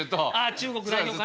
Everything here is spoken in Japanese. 中国代表かな？